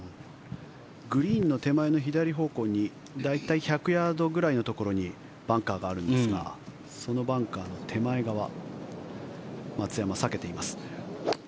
グリーンの手前の左方向に大体１００ヤードぐらいのところにバンカーがあるんですがそのバンカーの手前側松山、避けています。